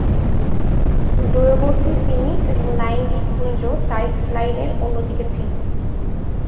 দূরবর্তী ফিনিক্স এবং লাইন দ্বীপপুঞ্জ তারিখ লাইনের অন্য দিকে ছিল।